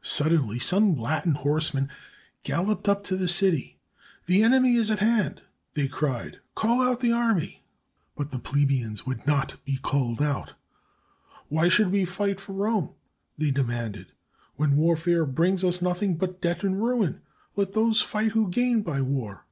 Suddenly some Latin horsemen galloped up to the city. "The enemy is at hand! "they cried. "Call out the army." But the plebe ians would not be called out. "Why should we fight for Rome? " they demanded, "when warfare brings us noth ing but debt and ruin? Let those fight who gain by war."